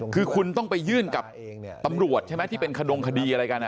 คือคุณต้องไปยื่นกับตำรวจใช่ไหมที่เป็นขดงคดีอะไรกัน